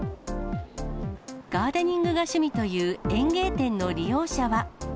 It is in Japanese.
ガーデニングが趣味という、園芸店の利用者は。